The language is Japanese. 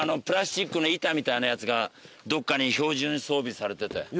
プラスチックの板みたいなやつがどっかに標準装備されてて。